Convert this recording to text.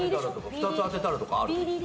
２つ当てたら何かとかあるの？